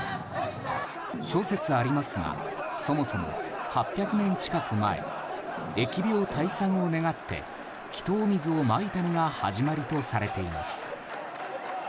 諸説ありますがそもそも８００年近く前疫病退散を願って祈祷水をまいたのが始まりとされています。